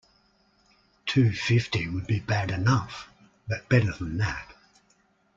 Two fifty would be bad enough, but better than that.